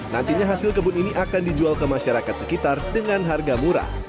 nantinya hasil kebun ini akan dijual ke masyarakat sekitar dengan harga murah